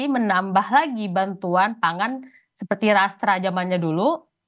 pemerintah berbaik hati menambah lagi bantuan pangan seperti rastra jamannya dulu